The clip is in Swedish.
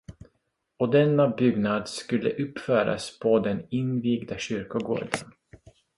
Och denna byggnad skulle uppföras på den invigda kyrkogården.